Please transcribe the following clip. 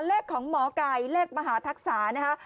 เลขของหมอไก่เลขมหาทักษานะคะ